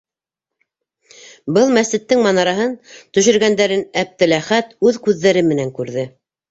Был мәсеттең манараһын төшөргәндәрен Әптеләхәт үҙ күҙҙәре менән күрҙе.